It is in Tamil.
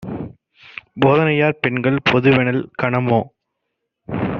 போதனையாற் பெண்கள் பொதுவெனல் கனமோ?